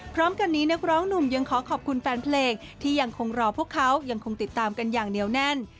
พร้อมกันนี้นักร้องหนุ่มยังขอขอบคุณแฟนเพลงที่ยังคงรอพวกเขายังคงติดตามกันอย่างเหนียวแน่น